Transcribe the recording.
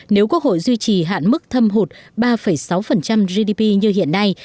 nếu quốc hội duy trì hạn mức thâm hụt ba sáu gdp như hiện nay